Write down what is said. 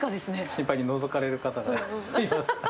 心配でのぞかれる方がいます。